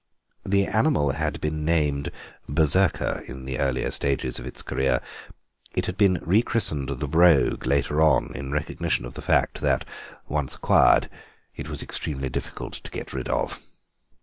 The animal had been named Berserker in the earlier stages of its career; it had been rechristened the Brogue later on, in recognition of the fact that, once acquired, it was extremely difficult to get rid of.